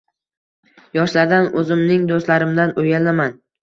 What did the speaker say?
Yoshlardan, o‘zimning do‘stlarimdan uyalaman.